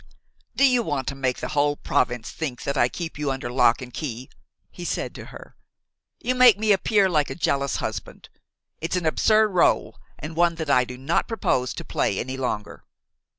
"Do you want to make the whole province think that I keep you under lock and key?" he said to her. "You make me appear like a jealous husband; it's an absurd role and one that I do not propose to play any longer.